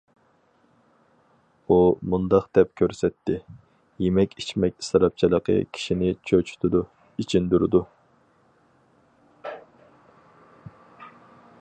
ئۇ مۇنداق دەپ كۆرسەتتى: يېمەك- ئىچمەك ئىسراپچىلىقى كىشىنى چۆچۈتىدۇ، ئېچىندۇرىدۇ!